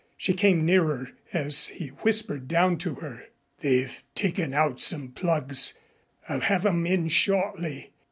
She came nearer as he whispered down to her: "They've taken out some plugs. I'll have 'em in shortly."